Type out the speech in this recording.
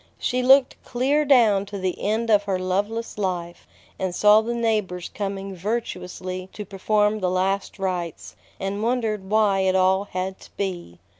She looked clear down to the end of her loveless life, and saw the neighbors coming virtuously to perform the last rites, and wondered why it all had to be.